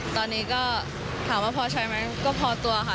ตอนนี้ก็ถามว่าพอใช้ไหมก็พอตัวค่ะ